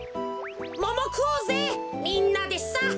みんなでさ！